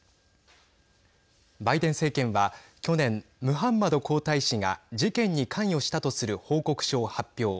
バイデン政権は去年ムハンマド皇太子が事件に関与したとする報告書を発表。